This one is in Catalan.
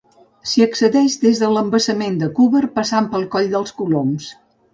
S'hi accedeix des de l'embassament de Cúber, passant pel Coll dels Coloms.